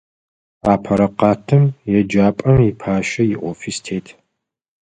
Апэрэ къатым еджапӏэм ипащэ иофис тет.